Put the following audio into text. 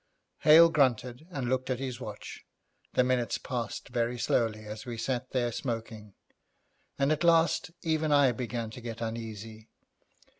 Hale grunted and looked at his watch. The minutes passed very slowly as we sat there smoking, and at last even I began to get uneasy.